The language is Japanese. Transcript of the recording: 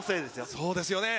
そうですよね。